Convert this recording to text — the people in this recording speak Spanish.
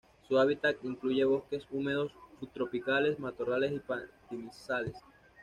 Su hábitat incluye bosques húmedos subtropicales, matorrales y pastizales.